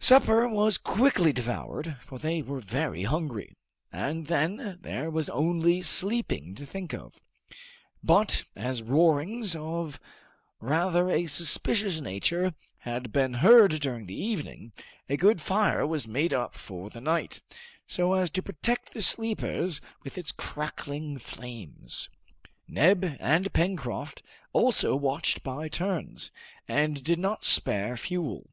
Supper was quickly devoured, for they were very hungry, and then there was only sleeping to think of. But, as roarings of rather a suspicious nature had been heard during the evening, a good fire was made up for the night, so as to protect the sleepers with its crackling flames. Neb and Pencroft also watched by turns, and did not spare fuel.